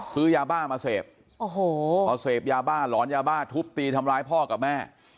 ซื้อยาบ้ามาเสพโอ้โหพอเสพยาบ้าหลอนยาบ้าทุบตีทำร้ายพ่อกับแม่